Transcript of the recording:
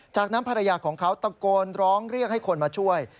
จากนั้นภรรยาของเขาตะโกนร้องเรียกให้คนมาช่วย